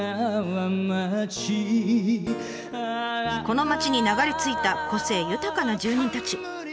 この町に流れ着いた個性豊かな住人たち。